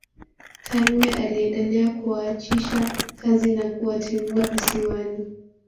Karume aliendelea kuwaachisha kazi na kuwatimua Visiwani